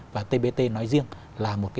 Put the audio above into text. và tbt nói riêng là một phần